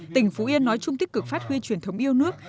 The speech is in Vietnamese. tỉnh phú yên nói chung tích cực phát huy truyền thống yêu nước